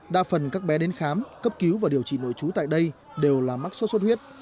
đa phần các bé đến khám cấp cứu và điều trị nội trú tại đây đều là mắc sốt xuất huyết